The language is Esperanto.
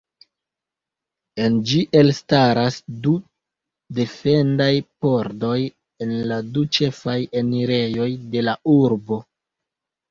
En ĝi elstaras du defendaj pordoj en la du ĉefaj enirejoj de la urbo.